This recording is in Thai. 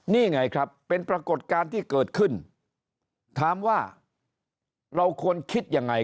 นี่ไงครับเป็นปรากฏการณ์ที่เกิดขึ้นถามว่าเราควรคิดยังไง